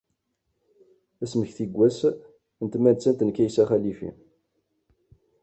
Asmekti n wass n tmettant n Kaysa Xalifi.